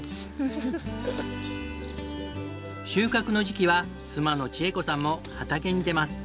収穫の時期は妻の千惠子さんも畑に出ます。